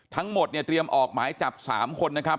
ทั้งหมดเนี่ยเตรียมออกหมายจับ๓คนนะครับ